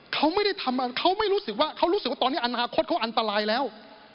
เขารู้สึกว่าตอนนี้อนาคตเขาอันตรายแล้ว